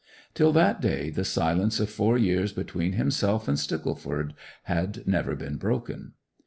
Till that day the silence of four years between himself and Stickleford had never been broken.